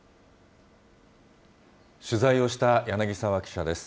取材をした柳澤記者です。